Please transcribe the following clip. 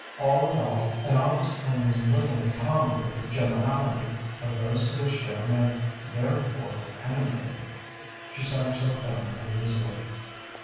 All in all, an office owning little in common with the generality of those to which Joan had theretofore penetrated.... She sat herself down uneasily.